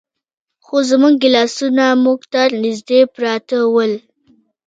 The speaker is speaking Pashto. خو زموږ ګیلاسونه موږ ته نږدې پراته ول.